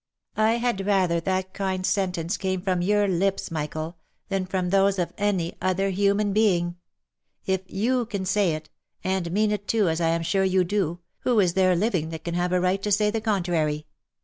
" I had rather that kind sentence came from your lips, Michael, than from those of any other human being. If you can say it, and mean it too, as I am sure you do, who is there living that can have a right to say the contrary